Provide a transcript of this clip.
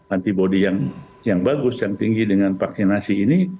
antibody yang bagus yang tinggi dengan vaksinasi ini